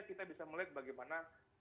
kita bisa melihat bagaimana